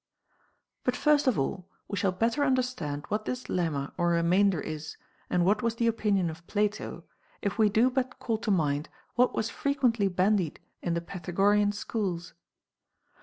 17. But first of all, we shall better understand what this leimma or remainder is and what was the opinion of Plato, if we do but call to mind what was frequently bandied in the Pythagorean schools.